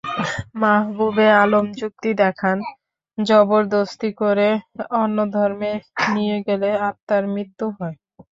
মাহবুবে আলম যুক্তি দেখান, জবরদস্তি করে অন্য ধর্মে নিয়ে গেলে আত্মার মৃত্যু হয়।